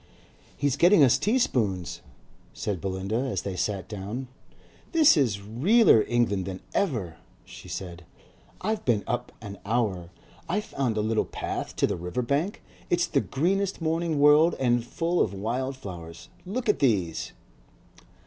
"He's getting us tea spoons," said Belinda, as they sat down. "This is realler England than ever," she said. "I've been up an hour. I found a little path down to the river bank. It's the greenest morning world and full of wild flowers. Look at these."